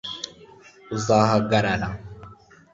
uzahagarara